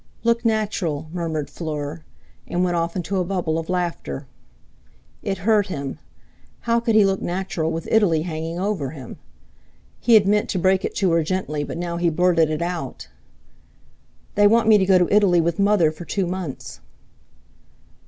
"Look natural," murmured Fleur, and went off into a bubble of laughter. It hurt him. How could he look natural with Italy hanging over him? He had meant to break it to her gently, but now he blurted it out. "They want me to go to Italy with Mother for two months."